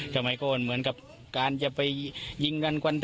ทำไมกูลเหมือนกับการจะไปยิงดันกวันเดท